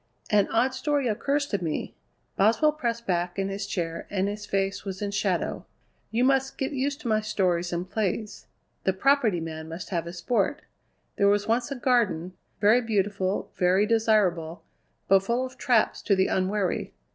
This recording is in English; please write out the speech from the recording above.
"An odd story occurs to me." Boswell pressed back in his chair and his face was in shadow. "You must get used to my stories and plays. The Property Man must have his sport. There was once a garden, very beautiful, very desirable, but full of traps to the unwary.